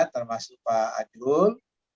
termasuk pak adul